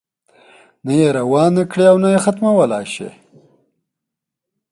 نه یې روانه کړې او نه یې ختمولای شي.